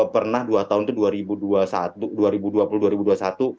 pernah dua tahun itu dua ribu dua puluh dua ribu dua puluh satu